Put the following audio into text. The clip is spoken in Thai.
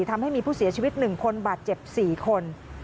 ทำให้มีผู้เสียชีวิต๑คนบาดเจ็บ๔คน